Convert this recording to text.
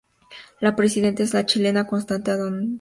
La presidenta es la chilena Constance Adonis.